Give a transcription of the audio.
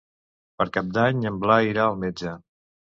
Per Cap d'Any en Blai irà al metge.